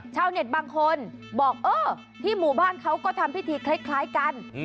ชาวเน็ตบางคนบอกเออที่หมู่บ้านเขาก็ทำพิธีคล้ายกัน